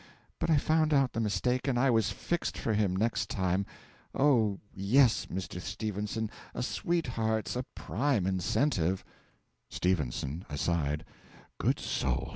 But I found out the mistake, and I was fixed for him next time.... Oh yes, Mr. Stephenson, a sweetheart's a prime incentive. S. (Aside.) Good soul!